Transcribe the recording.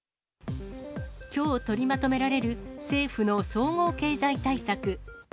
きょう取りまとめられる、政府の総合経済対策。